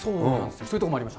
そういうところもありました。